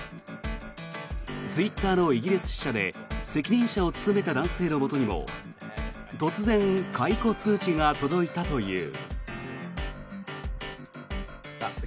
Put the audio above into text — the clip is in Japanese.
ツイッターのイギリス支社で責任者を務めた男性のもとにも突然、解雇通知が届いたという。